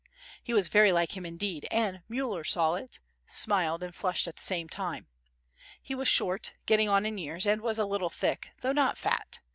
He was very like him indeed, and Müller saw it, smiled and flushed at the same time. He was short, getting on in years and was a little thick, though not fat.